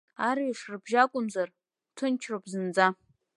Арҩаш рыбжьы акәымзар, ҭынчроуп зынӡа.